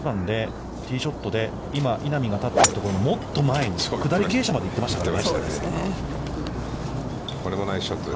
ティーショットで今稲見が立っているところのもっと前、下り傾斜まで行ってましたからね。